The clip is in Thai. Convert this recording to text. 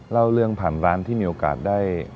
เล่าเรื่องผ่านร้านที่มีโอกาสได้